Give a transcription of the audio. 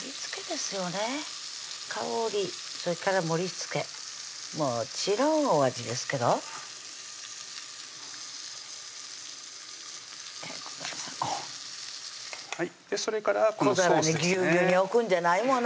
もちろんお味ですけど小皿にぎゅうぎゅうに置くんじゃないもんな